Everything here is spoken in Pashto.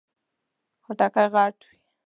خټکی غټ وي.